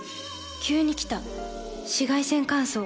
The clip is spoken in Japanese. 急に来た紫外線乾燥。